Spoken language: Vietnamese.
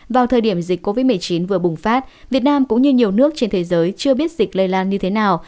vào thời điểm dịch covid một mươi chín vừa bùng phát việt nam cũng như nhiều nước trên thế giới chưa biết dịch lây lan như thế nào